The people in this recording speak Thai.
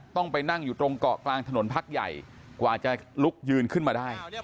ต้องไปนั่งอยู่ตรงเกาะกลางถนนพักใหญ่กว่าจะลุกยืนขึ้นมาได้